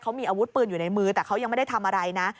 เขามีอาวุธปืนอยู่ในมือแต่เขายังไม่ได้ทำอะไรนะ